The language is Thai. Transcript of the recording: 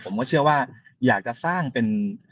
ผมก็เชื่อว่าอยากจะสร้างเป็น